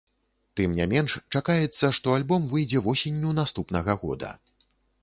Тым не менш чакаецца, што альбом выйдзе восенню наступнага года.